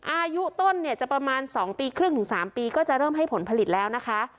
อายุต้นเนี่ยจะประมาณ๒ปีครึ่งถึง๓ปีก็จะเริ่มให้ผลผลิตแล้วนะคะ